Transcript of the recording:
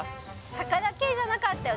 魚系じゃなかったよ